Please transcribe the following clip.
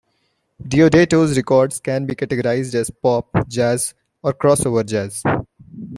Deodato's records can be categorized as pop, jazz or crossover jazz.